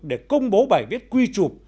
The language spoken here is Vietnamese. để công bố bài viết quy trục